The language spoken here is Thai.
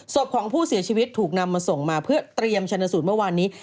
ศพของผู้เสียชีวิตถูกนำมาส่งมาเพื่อเตรียมชนสูตรเมื่อวานนี้